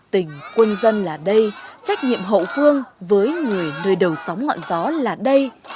tỉnh quân dân là đây trách nhiệm hậu phương với người nơi đầu sóng ngọn gió là đây